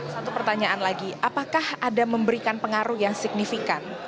satu pertanyaan lagi apakah ada memberikan pengaruh yang signifikan